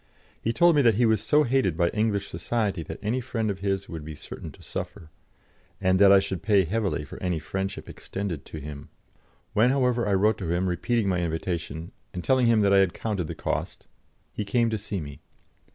He told me that he was so hated by English society that any friend of his would be certain to suffer, and that I should pay heavily for any friendship extended to him. When, however, I wrote to him, repeating my invitation, and telling him that I had counted the cost, he came to see me.